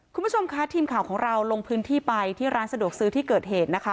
คุณผู้ชมคะทีมข่าวของเราลงพื้นที่ไปที่ร้านสะดวกซื้อที่เกิดเหตุนะคะ